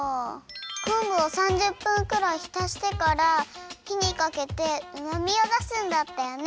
こんぶを３０分くらいひたしてからひにかけてうまみをだすんだったよね。